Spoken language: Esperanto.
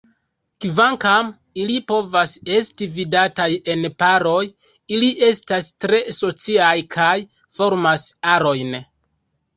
Kvankam ili povas esti vidataj en paroj, ili estas tre sociaj kaj formas arojn.